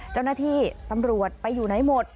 เจ้าหน้าที่ตำรวจไปอยู่ไหนหมด